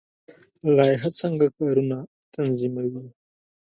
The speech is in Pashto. لایحه څنګه کارونه تنظیموي؟